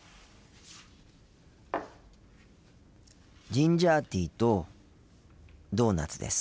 ジンジャーティーとドーナツです。